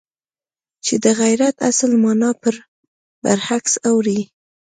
چې د غیرت اصل مانا پر برعکس اوړي.